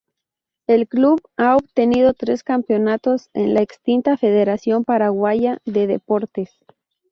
El club ha obtenido tres campeonatos en la extinta Federación Paraguaya de Deportes.